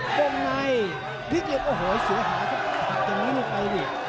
กงไหนพริกเหยียบโอ้โหเสียหายก็หักตรงนี้ลูกไอวิท